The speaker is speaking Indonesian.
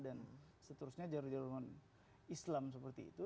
dan seterusnya jarum jaruman islam seperti itu